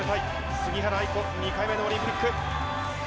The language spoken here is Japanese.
杉原愛子、２回目のオリンピック。